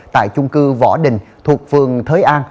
tại chung cư võ đình thuộc phương thới an